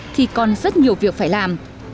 thì còn rất nhiều việc phải làm